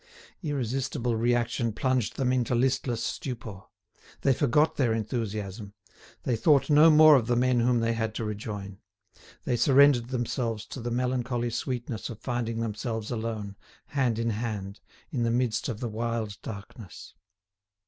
Irresistible reaction plunged them into listless stupor; they forgot their enthusiasm; they thought no more of the men whom they had to rejoin; they surrendered themselves to the melancholy sweetness of finding themselves alone, hand in hand, in the midst of the wild darkness.